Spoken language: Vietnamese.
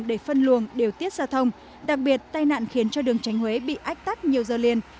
để phân luồng điều tiết giao thông đặc biệt tai nạn khiến cho đường tránh huế bị ách tắc nhiều giờ liền